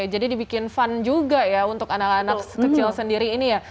jadi dibikin fun juga ya untuk anak anak kecil sendiri ini ya